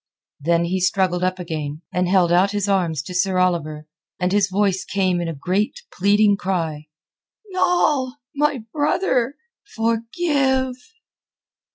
Then he struggled up again, and held out his arms to Sir Oliver, and his voice came in a great pleading cry. "Noll! My brother! Forgive!"